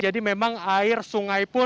jadi memang air sungai pun